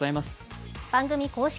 番組公式